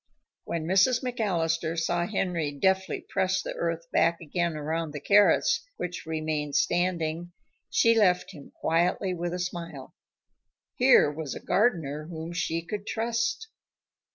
When Mrs. McAllister saw Henry deftly press the earth back again around the carrots which remained standing, she left him quietly with a smile. Here was a gardener whom she could trust.